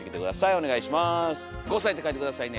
お願いします。